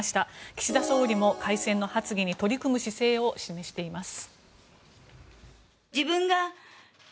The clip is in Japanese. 岸田総理も改憲の発議に取り組む姿勢を示しています。